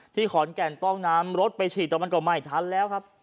ขอนแก่นต้องนำรถไปฉีดแต่มันก็ไม่ทันแล้วครับ